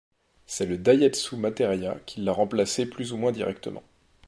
C'est le Daihatsu Materia qui l'a remplacé plus ou moins directement.